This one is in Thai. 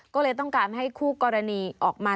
ก็เลยต้องการให้คู่กรณีออกมา